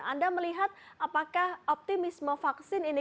anda melihat apakah optimisme vaksin ini